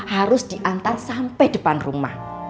harus diantar sampai depan rumah